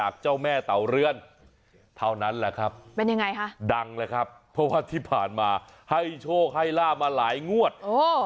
เพราะว่าที่ผ่านมาให้โชคให้ลาบมาหลายงวดโอ้